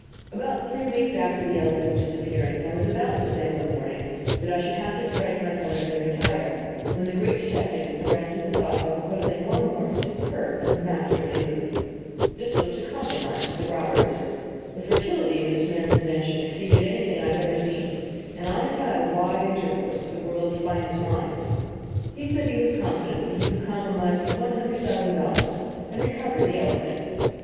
About three weeks after the elephant's disappearance I was about to say, one morning, that I should have to strike my colors and retire, when the great detective arrested the thought by proposing one more superb and masterly move. This was to compromise with the robbers. The fertility of this man's invention exceeded anything I have ever seen, and I have had a wide intercourse with the world's finest minds. He said he was confident he could compromise for one hundred thousand dollars and recover the elephant.